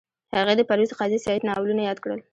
هغې د پرویز قاضي سعید ناولونه یاد کړل